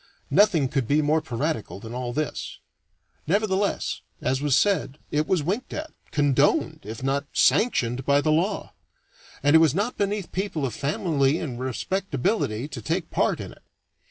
Nothing could be more piratical than all this. Nevertheless, as was said, it was winked at, condoned, if not sanctioned, by the law; and it was not beneath people of family and respectability to take part in it.